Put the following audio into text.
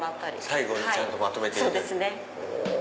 最後にちゃんとまとめてくれる。